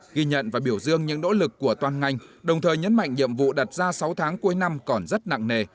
ghi nhận và biểu dương những nỗ lực của toàn ngành đồng thời nhấn mạnh nhiệm vụ đặt ra sáu tháng cuối năm còn rất nặng nề